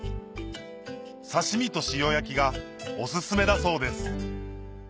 刺し身と塩焼きがオススメだそうです